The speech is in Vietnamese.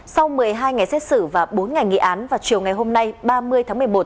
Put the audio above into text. sau một mươi hai ngày xét xử và bốn ngày nghị án vào chiều ngày hôm nay ba mươi tháng một mươi một